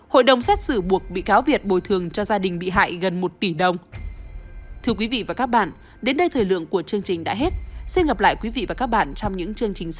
hội đồng xét xử buộc bị cáo việt bồi thường cho gia đình bị hại gần một tỷ đồng